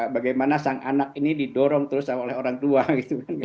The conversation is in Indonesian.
bagaimana sang anak ini didorong terus oleh orang tua gitu kan